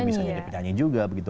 bisa jadi penyanyi juga begitu